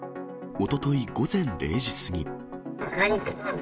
おととい午前０時過ぎ。